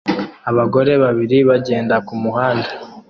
Abagore babiri bagenda kumuhanda